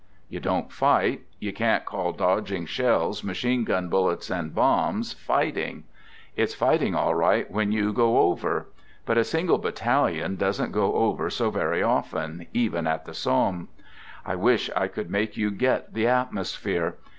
You don't fight; you can't call io2 "THE GOOD SOLDIER dodging shells, machine gun bullets, and bombs, fighting; it's fighting all right, when you " go over." But a single battalion doesn't go over so very often, even at the Somme. I wish I could make you " get " the atmosphere.